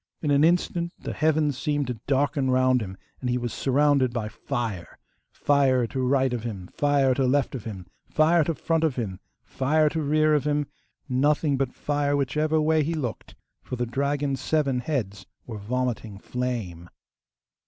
In an instant the heavens seemed to darken round him and he was surrounded by fire fire to right of him, fire to left of him, fire to front of him, fire to rear of him; nothing but fire whichever way he looked, for the dragon's seven heads were vomiting flame.